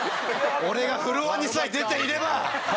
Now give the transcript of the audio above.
俺がフロアにさえ出ていれば！